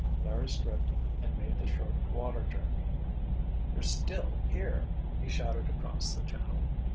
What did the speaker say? Larry stripped and made the short water journey. "They're still here," he shouted across the channel.